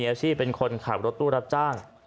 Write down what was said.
อาชีพเป็นคนขับรถตู้รับจ้าง